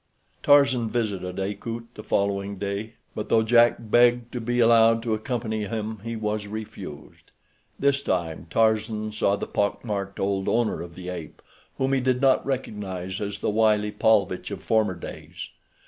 Tarzan visited Akut the following day, but though Jack begged to be allowed to accompany him he was refused. This time Tarzan saw the pock marked old owner of the ape, whom he did not recognize as the wily Paulvitch of former days.